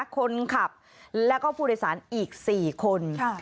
คนขับแล้วก็ผู้โดยสารอีก๔คน